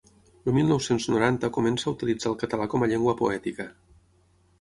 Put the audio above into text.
El mil nou-cents noranta comença a utilitzar el català com a llengua poètica.